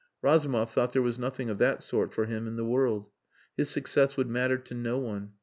Razumov thought there was nothing of that sort for him in the world. His success would matter to no one.